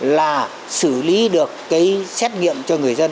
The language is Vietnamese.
là xử lý được cái xét nghiệm cho người dân